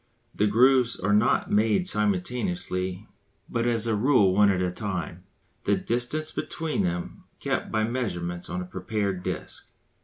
The grooves are not made simultaneously but as a rule one at a time, the distance between them being kept by measurements on a prepared disc.